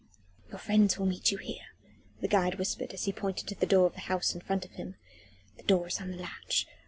II "Your friends will meet you here," the guide whispered as he pointed to the door of the house in front of him. "The door is on the latch.